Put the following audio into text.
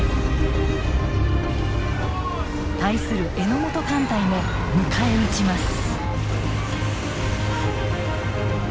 対する榎本艦隊も迎え撃ちます。